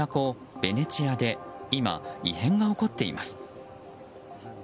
ベネチアで今、異変が起こっています。